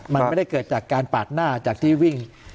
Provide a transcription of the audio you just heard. มันไม่ได้เกิดจากการปาดหน้าจากที่วิ่ง